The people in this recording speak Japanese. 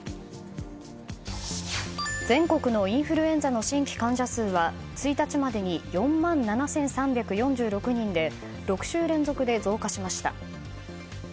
全国のインフルエンザの新規患者数は１日までに４万７３４６人で６週連続で増加しました。